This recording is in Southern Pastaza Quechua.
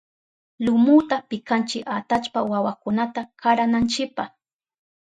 Lumuta pikanchi atallpa wawakunata karananchipa.